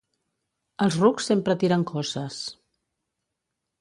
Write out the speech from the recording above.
Els rucs sempre tiren coces.